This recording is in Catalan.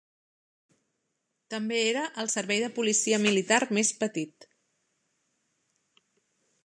També era el servei de policia militar més petit.